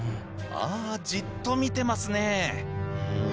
ああじっと見てますね。